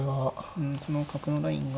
うんこの角のラインが。